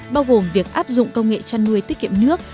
bao gồm việc áp dụng công nghệ chăn nuôi tiết kiệm nước